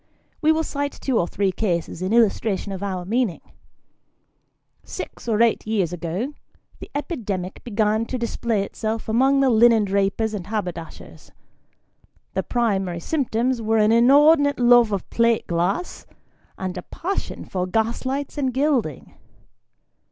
We will cite two or three cases in illustration of our meaning. Six ^: Gin Palaces. 135 or eight years ago, the epidemic began to display itself among the linendrapers and haberdashers. The primary symptoms were an inordinate love of plate glass, and a passion for gas lights and gild ing.